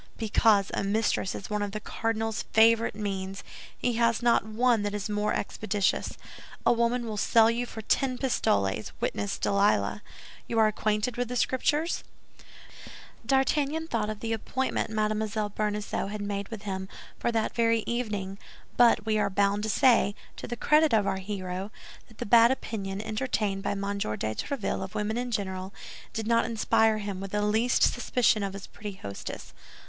"Because a mistress is one of the cardinal's favorite means; he has not one that is more expeditious. A woman will sell you for ten pistoles, witness Delilah. You are acquainted with the Scriptures?" D'Artagnan thought of the appointment Mme. Bonacieux had made with him for that very evening; but we are bound to say, to the credit of our hero, that the bad opinion entertained by M. de Tréville of women in general, did not inspire him with the least suspicion of his pretty hostess.